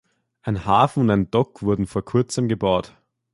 Ein Hafen und ein Dock wurden vor Kurzem gebaut.